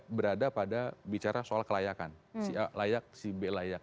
berada pada bicara soal kelayakan si a layak si b layak